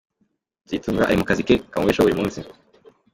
Nzitunga ari mu kazi ke kamubeshaho buri munsi.